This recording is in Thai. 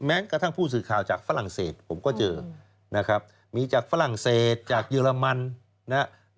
กระทั่งผู้สื่อข่าวจากฝรั่งเศสผมก็เจอนะครับมีจากฝรั่งเศสจากเยอรมันนะครับ